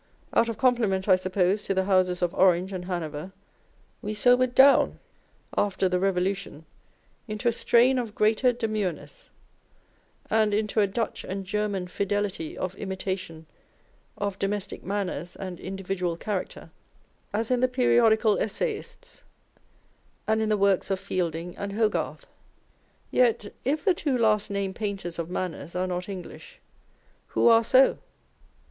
Out of compliment, I suppose, to the Houses of Orange and Hanover, we sobered down, after the Revolu 454 On Old English Writers and Speakers. tion, into a strain of greater demureness, and into a Dutch and German fidelity of imitation of domestic manners and individual character, as in the periodical essayists, and in the works of Fielding and Hogarth. Yet, if the two last named painters of manners are not English, who are so